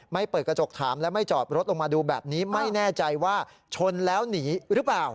เปิดกระจกถามและไม่จอดรถลงมาดูแบบนี้ไม่แน่ใจว่าชนแล้วหนีหรือเปล่า